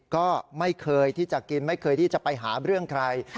ก็ไม่เคยที่จะกินไม่เคยที่จะไปหาเรื่องใคร